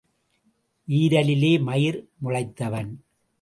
ஈரலிலே மயிர் முளைத்தவன்.